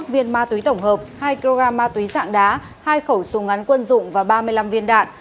ba mươi sáu trăm tám mươi một viên ma túy tổng hợp hai kg ma túy dạng đá hai khẩu súng ngắn quân dụng và ba mươi năm viên đạn